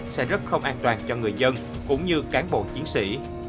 sẽ rất không an toàn cho người dân cũng như cán bộ chiến sĩ